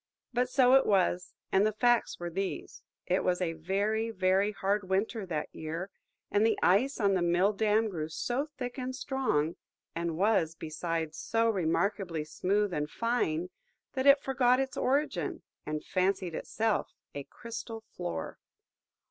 But so it was, and the facts were these. It was a very, very hard winter that year, and the ice on the mill dam grew so thick and strong, and was, besides, so remarkably smooth and fine, that it forgot its origin, and fancied itself a crystal floor.